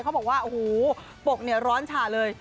เขาบอกว่าโอ้โหปลกร้อนฉาเลย